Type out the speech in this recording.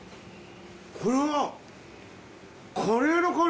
これはカレーの香り